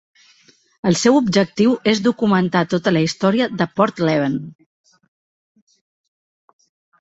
El seu objectiu és documentar tota la història de Porthleven.